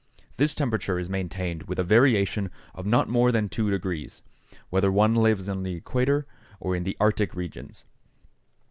This temperature is maintained with a variation of not more than two degrees, whether one lives on the Equator or in the Arctic regions.